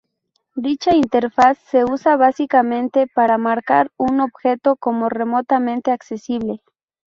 Dicha interfaz se usa básicamente para "marcar" un objeto como remotamente accesible.